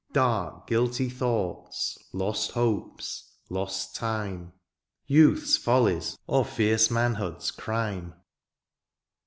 Dark guilty thoughts, lost hopes, lost time. Youth's follies, or fierce manhood's crime